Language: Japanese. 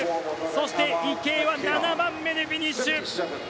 そして池江は７番目でフィニッシュ。